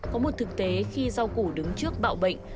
có một thực tế khi rau củ đứng trước bạo bệnh